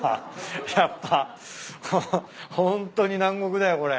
やっぱホントに南国だよこれ。